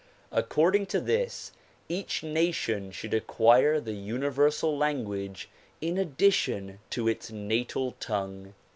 According to this, each nation should acquire the universal language in addition to its natal tongue.